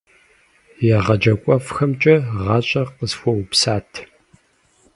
ЕгъэджакӀуэфӀхэмкӀэ гъащӀэр къысхуэупсат.